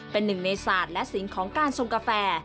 เป็นหนึ่งในศาสตร์และสินของการทรงกาแฟ